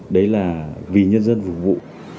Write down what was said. đấy là vì nhân dân phục vụ